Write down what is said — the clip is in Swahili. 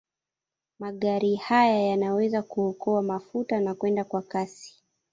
Magari haya yanaweza kuokoa mafuta na kwenda kwa kasi.